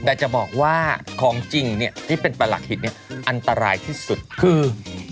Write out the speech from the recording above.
แต่จะบอกว่าของจริงเนี่ยที่เป็นประหลักหินอันตรายที่สุดคือ